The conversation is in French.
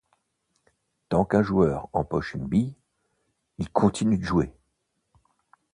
Tant qu'un joueur empoche une bille, il continue de jouer.